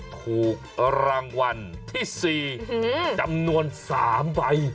ถูกรางวัลที่๔จำนวน๓ใบ